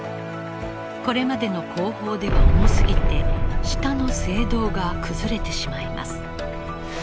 これまでの工法では重すぎて下の聖堂が崩れてしまいます。